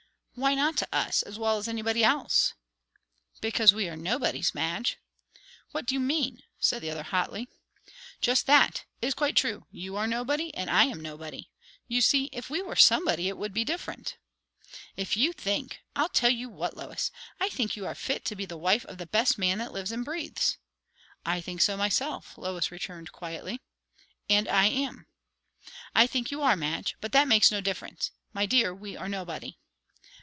"Why not to us, as well as anybody else?" "Because we are nobodies, Madge." "What do you mean?" said the other hotly. "Just that. It is quite true. You are nobody, and I am nobody. You see, if we were somebody, it would be different." "If you think I'll tell you what, Lois! I think you are fit to be the wife of the best man that lives and breathes." "I think so myself," Lois returned quietly. "And I am." "I think you are, Madge. But that makes no difference. My dear, we are nobody."